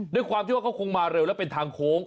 ด้วยความที่ว่าเขาคงมาเร็วแล้วเป็นทางโค้ง